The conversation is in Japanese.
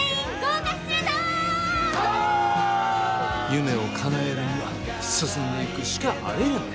夢をかなえるには進んでいくしかあれへんねん。